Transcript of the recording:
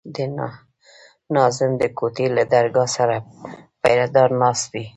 د ناظم د کوټې له درګاه سره پيره دار ناست وي.